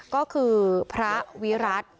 ก็คือพระวิรัติ